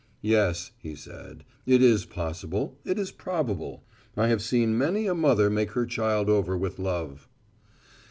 "Yes," he said, "it is possible, it is probable. I have seen many a mother make her child over with love."